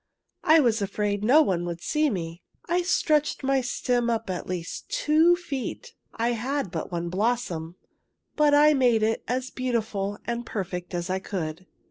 '' I was afraid no one would see me. I stretched my stem up at least two feet. I had but one blossom, but I made it as beautiful and perfect as I could.